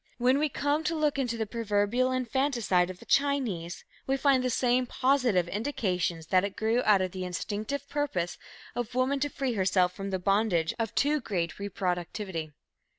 When we come to look into the proverbial infanticide of the Chinese, we find the same positive indications that it grew out of the instinctive purpose of woman to free herself from the bondage of too great reproductivity.